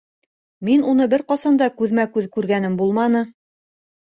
Мин уны бер ҡасан да күҙмә-күҙ күргәнем булманы